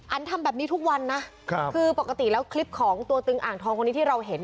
ทำแบบนี้ทุกวันนะคือปกติแล้วคลิปของตัวตึงอ่างทองคนนี้ที่เราเห็น